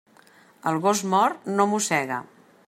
El gos mort no mossega.